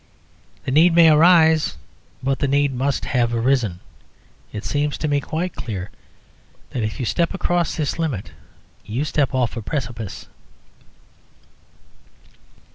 The need may arise; but the need must have arisen. It seems to me quite clear that if you step across this limit you step off a precipice.